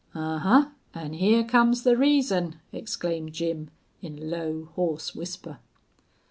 "Ahuh! An' here comes the reason," exclaimed Jim, in low, hoarse whisper.